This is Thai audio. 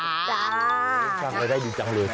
สร้างรายได้ดีจังเลย